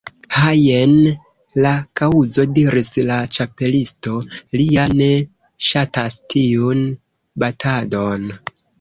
"Ha, jen la kaŭzo," diris la Ĉapelisto. "Li ja ne ŝatas tiun batadon.